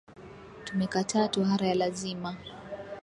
Tumekataa tohara ya lazima